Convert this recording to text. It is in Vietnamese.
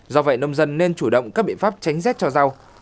do vậy nông dân nên chủ động các biện pháp tránh rét cho rau